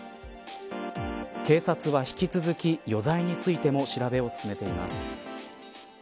警察は引き続き余罪についても調べを進めています。